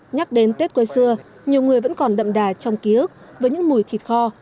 nhắc đến tết quê xưa nhiều người vẫn còn đậm đà trong ký ức với những mùi thịt kho